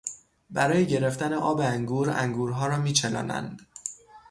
برای گرفتن آب انگور، انگورها را میچلانند.